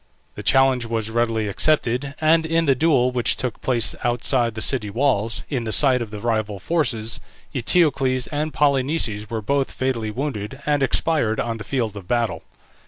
The challenge was readily accepted, and in the duel which took place outside the city walls, in the sight of the rival forces, Eteocles and Polynices were both fatally wounded and expired on the field of battle.